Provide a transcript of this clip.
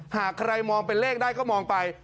หากใครมองเป็นเลขได้ก็มองไป